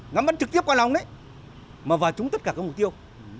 nó vẫn trực tiếp qua lòng đấy mà vào chúng tất cả các mục tiêu